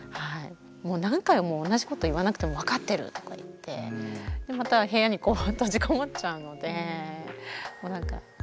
もう何回も同じこと言わなくても分かってるとか言ってまた部屋に閉じこもっちゃうのでもうなんか会話にならないっていうか。